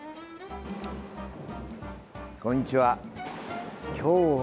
こんにちは。